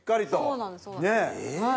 そうなんですはい。